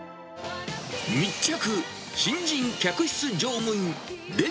密着！